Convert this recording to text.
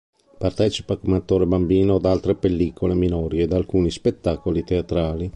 Partecipa come attore bambino ad altre pellicole minori e ad alcuni spettacoli teatrali.